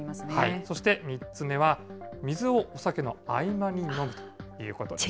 そして、３つ目が、水をお酒の合間に飲むということです。